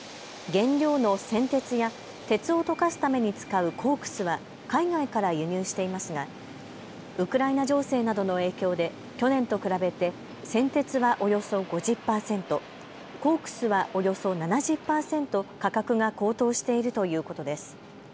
原料の銑鉄や鉄を溶かすために使うコークスは海外から輸入していますがウクライナ情勢などの影響で去年と比べて銑鉄はおよそ５０％、コークスはおよそ７０％価格が高騰しているということです。